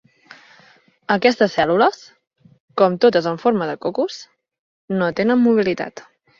Aquestes cèl·lules, com totes amb forma de cocos, no tenen mobilitat.